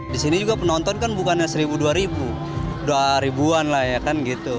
di sini juga penonton kan bukannya seribu dua ribu dua ribuan lah ya kan gitu